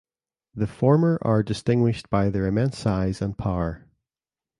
The former are distinguished by their immense size and power.